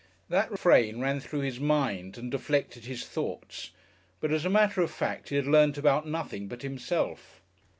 That refrain ran through his mind and deflected his thoughts, but as a matter of fact he had learnt about nothing but himself.